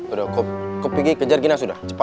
udah kok pergi kejar gini sudah cepat